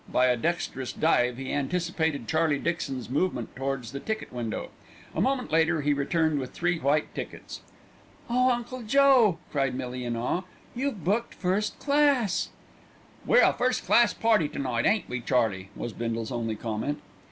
By a dexterous dive he anticipated Charlie Dixon's move towards the ticket window. A moment later he returned with three white tickets. "Oh, Uncle Joe!" cried Millie in awe, "you've booked first class." "We're a first class party to night, ain't we, Charlie?" was Bindle's only comment.